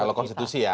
kalau konstitusi ya